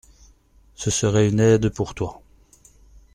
Ce serait une aide pour toi.